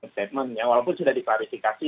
statementnya walaupun sudah diklarifikasi